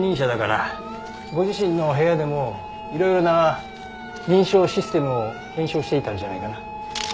ご自身の部屋でもいろいろな認証システムを検証していたんじゃないかな？